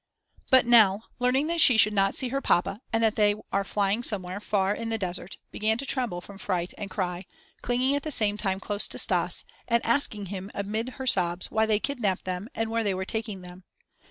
But Nell, learning that she should not see her papa and that they are flying somewhere, far in the desert, began to tremble from fright and cry, clinging at the same time close to Stas and asking him amid her sobs why they kidnapped them and where they were taking them.